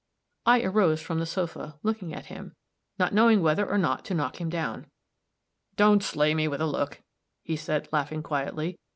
I arose from the sofa, looking at him, not knowing whether or not to knock him down. "Don't 'slay me with a look'," he said, laughing quietly.